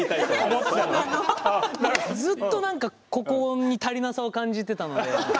ずっと何かここに足りなさを感じてたので。